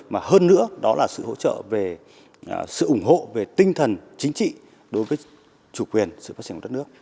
mà hơn nữa đó là sự hỗ trợ về sự ủng hộ về tinh thần chính trị đối với chủ quyền sự phát triển của đất nước